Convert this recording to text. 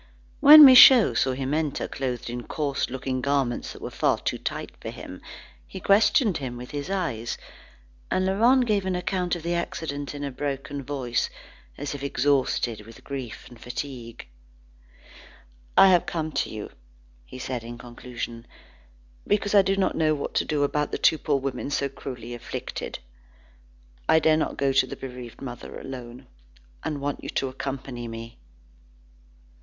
When Michaud saw him enter, clothed in coarse looking garments that were too tight for him, he questioned him with his eyes, and Laurent gave an account of the accident in a broken voice, as if exhausted with grief and fatigue. "I have come to you," said he in conclusion, "because I do not know what to do about the two poor women so cruelly afflicted. I dare not go to the bereaved mother alone, and want you to accompany me."